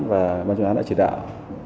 và ban chuyên án đã chỉ đạo